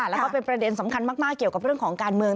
แล้วก็เป็นประเด็นสำคัญมากเกี่ยวกับเรื่องของการเมือง